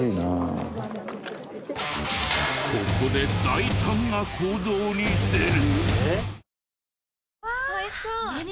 ここで大胆な行動に出る！